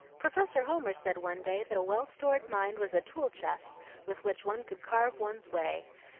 "Professor Homer said one day that a well stored mind was a tool chest with which one could carve one's way.